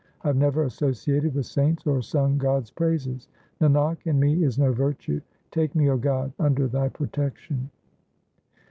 I have never associated with saints or sung God's praises. Nanak, in me is no virtue ; take me, 0 God, under Thy protection.